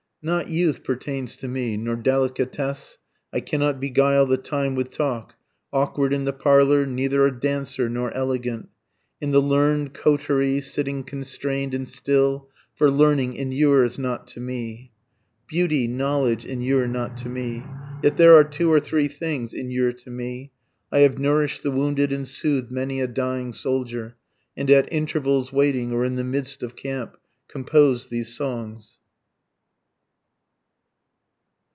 Not youth pertains to me, Nor delicatesse, I cannot beguile the time with talk, Awkward in the parlor, neither a dancer nor elegant, In the learn'd coterie sitting constrain'd and still, for learning inures not to me, Beauty, knowledge, inure not to me yet there are two or three things inure to me, I have nourish'd the wounded and sooth'd many a dying soldier, And at intervals waiting or in the midst of camp, Composed these songs.